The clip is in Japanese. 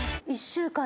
１週間。